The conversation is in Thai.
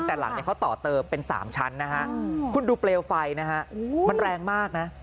แต่หลังเขาต่อเติมเป็น๓ชั้นนะฮะคุณดูเปลวไฟนะฮะมันแรงมากนะ